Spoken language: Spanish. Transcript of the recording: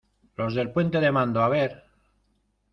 lo del puente de mando. a ver ...